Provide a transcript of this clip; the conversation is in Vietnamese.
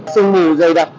sương mù dày đặc